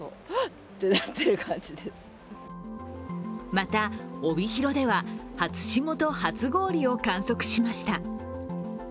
また、帯広では初霜と初氷を観測しました。